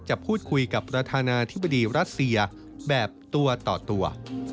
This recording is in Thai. จะพูดคุยกับประธานาธิบดีรัสเซียแบบตัวต่อตัว